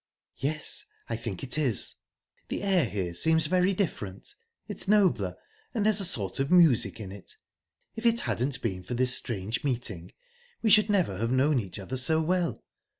"Yes, I think it is...The air here seems different. It's nobler, and there's a sort of music in it...If it hadn't been for this strange meeting, we should never have known each other so well.